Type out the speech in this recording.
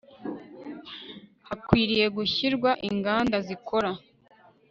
hakwiriye gushyirwa inganda zikora